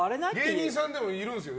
芸人さんでもいるんですよ